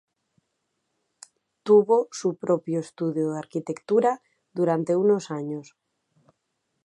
Tuvo su propio estudio de arquitectura durante unos años.